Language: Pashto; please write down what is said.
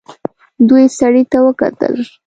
دوی سړي ته وکتل.